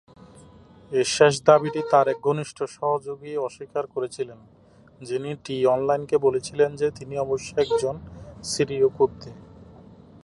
এই শেষ দাবিটি তার এক ঘনিষ্ঠ সহযোগী অস্বীকার করেছিলেন, যিনি "টি-অনলাইনকে" বলেছিলেন যে তিনি অবশ্যই একজন সিরীয় কুর্দি।